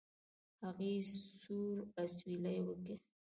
هغې سوړ اسويلى وکېښ.